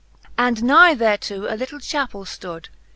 And nigh thereto a little Chappell ftoode.